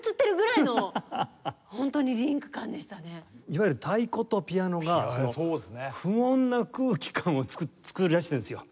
いわゆる太鼓とピアノが不穏な空気感を作り出してるんですよ。